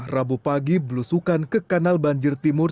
rabu pagi belusukan ke kanal banjir timur